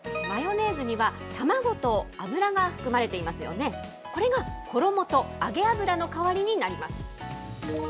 マヨネーズには、卵と油が含まれていますよね、これが衣と揚げ油の代わりになります。